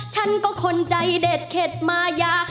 ฉันก็คนใจเด็ดเข็ดมายา